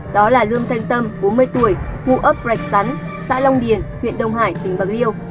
đó là lương thanh tâm bốn mươi tuổi ngụ ấp rạch sắn xã long điền huyện đông hải tỉnh bạc liêu